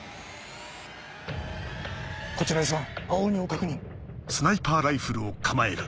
こちらＳ１青鬼を確認。